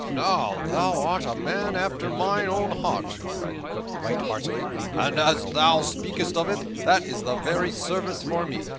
"Now, thou art a man after mine own heart!" cried the Cook right heartily, "and, as thou speakest of it, that is the very service for me.